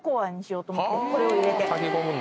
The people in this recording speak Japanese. これを入れて。